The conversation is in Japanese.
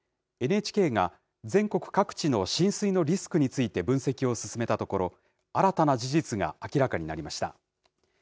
ＮＨＫが全国各地の浸水のリスクについて分析を進めたところ、新たな事実が明らかになりました。